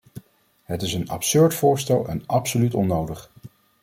Het is een absurd voorstel en absoluut onnodig.